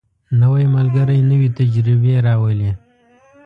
نوی ملګری نوې تجربې راولي